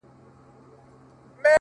که نه نو ولي بيا جواب راکوي-